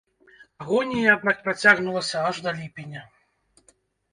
Агонія аднак працягнулася аж да ліпеня.